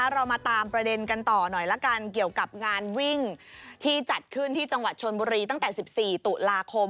เรามาตามประเด็นกันต่อหน่อยละกันเกี่ยวกับงานวิ่งที่จัดขึ้นที่จังหวัดชนบุรีตั้งแต่๑๔ตุลาคม